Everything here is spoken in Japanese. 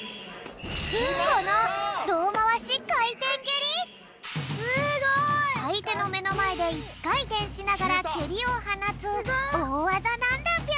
このあいてのめのまえでいっかいてんしながらけりをはなつおおわざなんだぴょん。